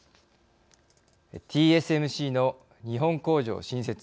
ＴＳＭＣの日本工場新設。